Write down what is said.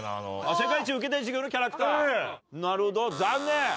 『世界一受けたい授業』のキャラクターなるほど残念。